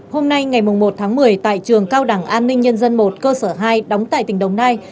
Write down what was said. hôm nay ngày một tháng một mươi tại trường cao đẳng an ninh nhân dân một cơ sở hai đóng tại tỉnh đồng nai